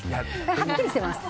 はっきりしてます。